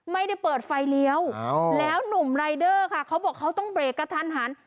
ไม่ได้เปิดไฟเลี้ยวแล้วหนุ่มรายเดอร์ค่ะเขาบอกเขาต้องเบรกกระทันหัน